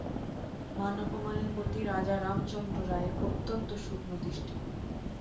মান অপমানের প্রতি রাজা রামচন্দ্র রায়ের অত্যন্ত সূক্ষ্ম দৃষ্টি।